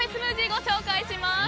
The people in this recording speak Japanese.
ご紹介します。